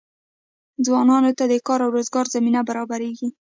ځوانانو ته د کار او روزګار زمینه برابریږي.